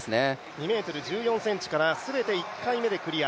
２ｍ１４ｃｍから全て１回目でクリア。